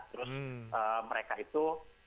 terus mereka itu